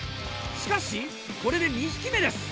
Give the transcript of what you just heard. しかしこれで２匹目です。